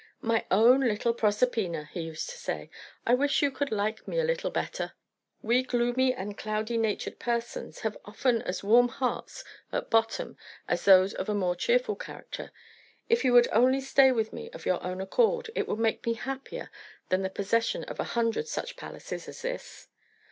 "My own little Proserpina," he used to say, "I wish you could like me a little better. We gloomy and cloudy natured persons have often as warm hearts at bottom as those of a more cheerful character. If you would only stay with me of your own accord, it would make me happier than the possession of a hundred such palaces as this."